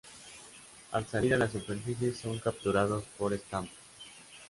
Al salir a la superficie son capturados por Stamper.